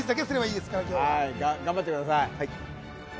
頑張ってください。